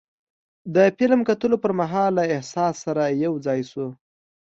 د فلم کتلو پر مهال له احساس سره یو ځای شو.